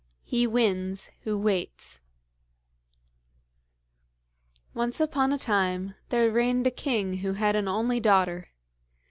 HE WINS WHO WAITS Once upon a time there reigned a king who had an only daughter.